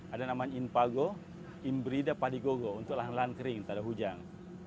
ada namanya impago imbrida padi gogo untuk lahan lahan kering tak ada hujang